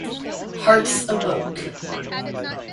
Hearts of Oak